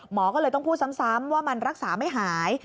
หมอก็เลยต้องพูดซ้ำว่ามันรักษาไม่หาย